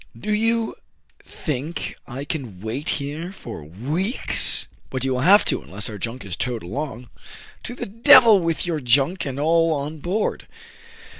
" Do you think I can wait here for weeks ?"" But you will have to, unless our junk is towed along.*' " To the devil with your junk and all on board